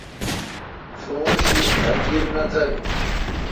شمور شی انگیر نہ تل۔